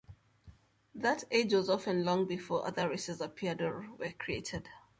That age was often long before other races appeared or were created.